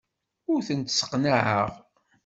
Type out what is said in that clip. Ur tent-sseqnaɛeɣ.